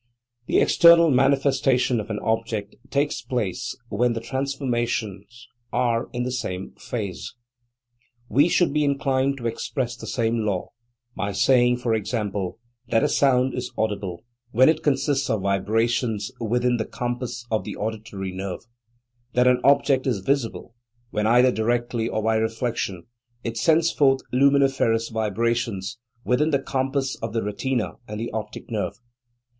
The external manifestation of an object takes place when the transformations ore in the same phase. We should be inclined to express the same law by saying, for example, that a sound is audible, when it consists of vibrations within the compass of the auditory nerve; that an object is visible, when either directly or by reflection, it sends forth luminiferous vibrations within the compass of the retina and the optic nerve.